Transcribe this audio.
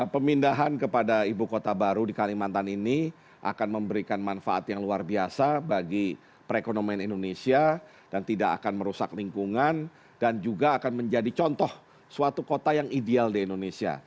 pemindahan kepada ibu kota baru di kalimantan ini akan memberikan manfaat yang luar biasa bagi perekonomian indonesia dan tidak akan merusak lingkungan dan juga akan menjadi contoh suatu kota yang ideal di indonesia